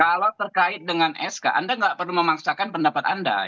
kalau terkait dengan sk anda nggak perlu memaksakan pendapat anda